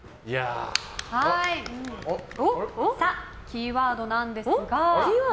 キーワードなんですが。